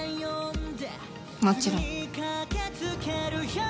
もちろん。